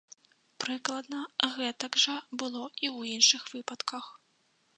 Прыкладна гэтак жа было і ў іншых выпадках.